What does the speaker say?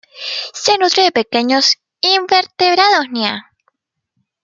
Se nutre de pequeños invertebrados.